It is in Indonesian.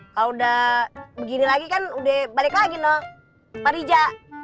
kalau udah begini lagi kan udah balik lagi no parija